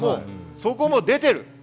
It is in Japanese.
そこも出てる。